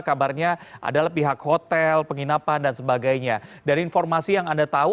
kabarnya adalah pihak hotel penginapan dan sebagainya dari informasi yang anda tahu